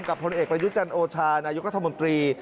กับพลันเอกรายุจันทร์โอชานายุคธมตรี